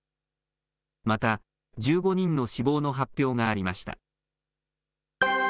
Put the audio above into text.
また、１５人の死亡の発表がありました。